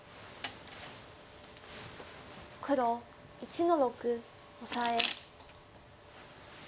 黒１の六オサエ。